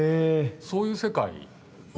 そういう世界。